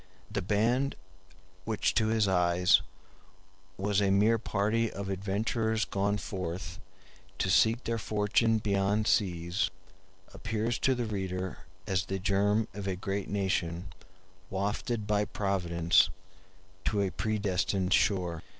The band which to his eyes was a mere party of adventurers gone forth to seek their fortune beyond seas appears to the reader as the germ of a great nation wafted by Providence to a predestined shore.